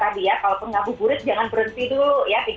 tadi ya kalau pengabuburit jangan berhenti dulu ya